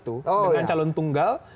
itu dengan calon tunggal